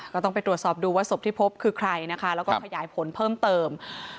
ก็ต้องไปตรวจสอบดูว่าศพที่พบคือใครนะคะแล้วก็ขยายผลเพิ่มเติม